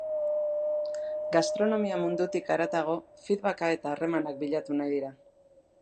Gastronomia mundutik haratago, feedbacka eta harremanak bilatu nahi dira.